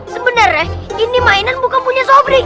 sebenernya ini mainan bukan punya sobri